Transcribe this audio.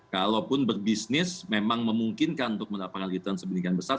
kalaupun berbisnis memang memungkinkan untuk mendapatkan return sebenikian besar